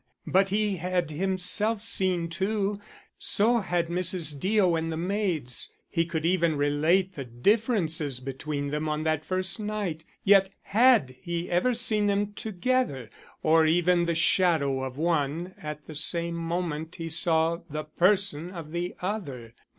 But he had himself seen two; so had Mrs. Deo and the maids; he could even relate the differences between them on that first night. Yet had he ever seen them together, or even the shadow of one at the same moment he saw the person of the other?